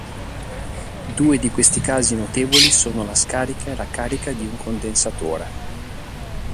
Due di questi casi notevoli sono la scarica e la carica di un condensatore.